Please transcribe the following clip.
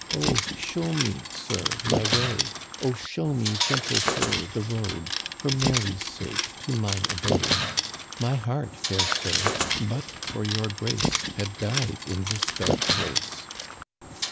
Oh, show me, sir, my way ! Oh, show me, gentle sir, the road. For Mary's sake, to mine abode. My heart, fair sir. but for your grace, Had died in this dark place."